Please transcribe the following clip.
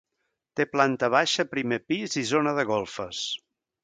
Té planta baixa, primer pis i zona de golfes.